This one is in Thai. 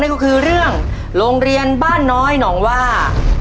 ก็คือเรื่องโรงเรียนบ้านน้อยหนองว่า